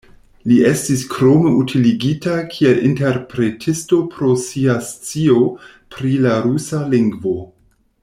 Li estis krome utiligita kiel interpretisto pro sia scio pri la rusa lingvo.